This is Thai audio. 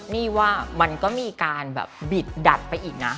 นี่ว่ามันก็มีการแบบบิดดัดไปอีกนะ